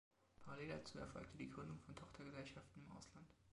Parallel dazu erfolgte die Gründung von Tochtergesellschaften im Ausland.